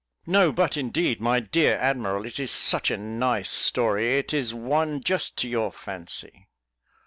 "No, but indeed, my dear Admiral, it is such a nice story; it is one just to your fancy."